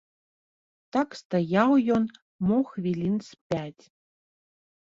Так стаяў ён мо хвілін з пяць.